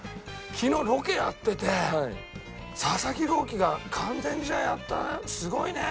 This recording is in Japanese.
昨日ロケやってて佐々木朗希が完全試合やったねすごいね！